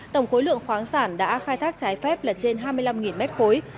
tổng khối lượng khoáng sản đã khai thác trái phép là trên hai mươi năm mét khối